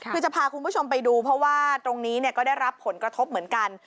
คือจะพาคุณผู้ชมไปดูเพราะว่าตรงนี้ก็ได้รับผลกระทบเหมือนกัน